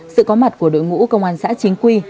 sự có mặt của đội ngũ công an xã chính quy